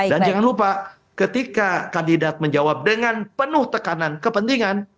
dan jangan lupa ketika kandidat menjawab dengan penuh tekanan kepentingan